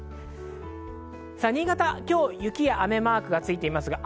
新潟、今日は雪や雨マークがついています。